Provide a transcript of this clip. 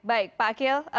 baik pak akhil